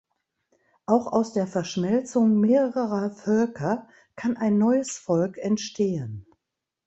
Auch aus der Verschmelzung mehrerer Völker kann ein neues Volk entstehen.